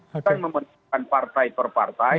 bukan memenangkan partai per partai